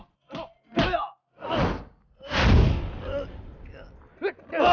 kita sudah sering apply rotasi tersebut